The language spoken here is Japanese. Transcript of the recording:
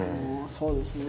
そうですね